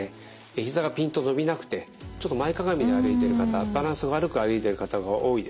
ひざがピンと伸びなくてちょっと前かがみで歩いている方バランス悪く歩いている方が多いです。